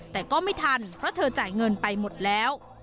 แต่ก็ไม่ทันเพราะเธอจ่ายเงินไปหมดแล้ว